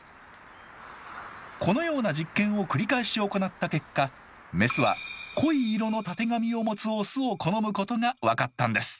このような実験を繰り返し行った結果メスは濃い色のたてがみを持つオスを好むことが分かったんです。